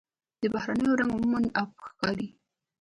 د بحرونو رنګ عموماً آبي ښکاري.